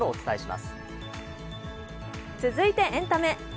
続いてエンタメ。